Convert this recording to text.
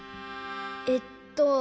えっと。